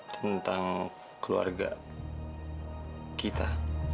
tentang keluarga kita